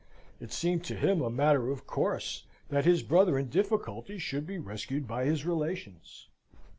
It seemed to him a matter of course that his brother in difficulty should be rescued by his relations.